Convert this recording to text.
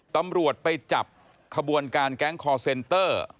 ตำรวจไปจับขบวนการแก๊งคอร์เซนเตอร์